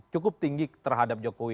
cukup tinggi terhadap jokowi